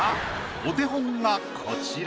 お手本がこちら。